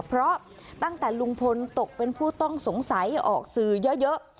เพราะตั้งแต่ลุงพลตกเป็นผู้ต้องสงสัยออกสื่อเยอะ